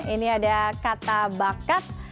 ini ada kata bakat